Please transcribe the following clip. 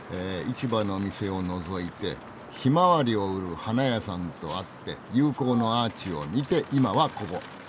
市場の店をのぞいてひまわりを売る花屋さんと会って友好のアーチを見て今はここ。